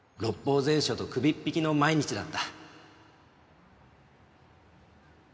全書と首っ引きの毎日だった。